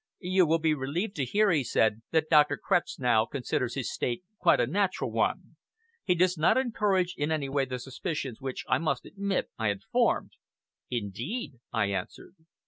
"You will be relieved to hear," he said, "that Dr. Kretznow considers his state quite a natural one. He does not encourage in any way the suspicions which, I must admit, I had formed." "Indeed!" I answered.